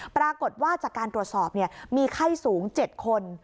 ปรากฏว่าจากการตรวจสอบมีไข้สูง๗คน